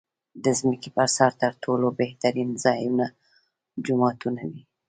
د ځمکې پر سر تر ټولو بهترین ځایونه جوماتونه دی .